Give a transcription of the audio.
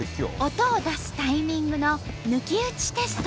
音を出すタイミングの抜き打ちテスト。